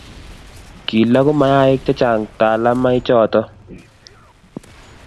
kiloku mayaik chechang talamoichoto